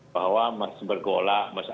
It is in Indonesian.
bahwa mas bergola mas ireland